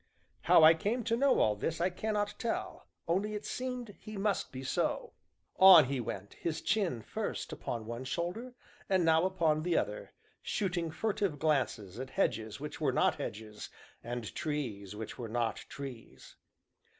How I came to know all this I cannot tell, only it seemed he must be so. On he went, his chin first upon one shoulder, and now upon the other, shooting furtive glances at hedges which were not hedges, and trees which were not trees.